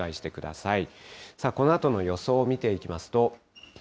さあこのあとの予想を見ていきますと。